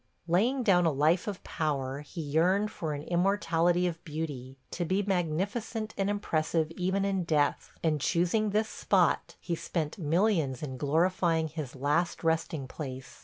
Laying down a life of power, he yearned for an immortality of beauty – to be magnificent and impressive even in death; and, choosing this spot, he spent millions in glorifying his last resting place.